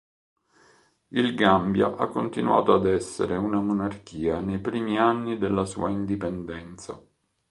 Il Gambia ha continuato ad essere una monarchia nei primi anni della sua indipendenza.